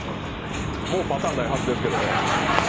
もうパターンないはずですけどね。